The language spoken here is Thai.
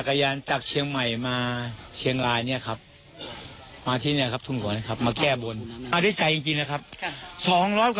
ขึ้นใจดีใจมากครับดีใจที่ว่าน้องก็ปลอดภัยและแข็งแรง